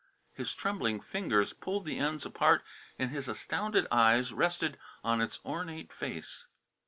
His trembling fingers pulled the ends apart and his astounded eyes rested on its ornate face.